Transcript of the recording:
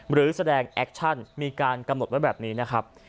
หรือแสดงแอคชั่นมีการกำหนดไว้แบบนี้นะครับ